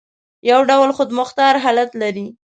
یو ډول خودمختار حالت لري.